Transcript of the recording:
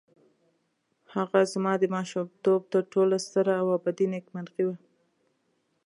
هغه زما د ماشومتوب تر ټولو ستره او ابدي نېکمرغي وه.